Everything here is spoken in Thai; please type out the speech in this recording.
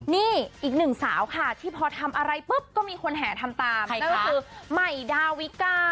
นี่อีกหนึ่งสาวค่ะที่พอทำอะไรปุ๊บก็มีคนแห่ทำตามนั่นก็คือใหม่ดาวิกา